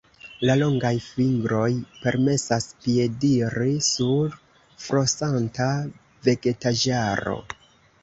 La longaj fingroj permesas piediri sur flosanta vegetaĵaro.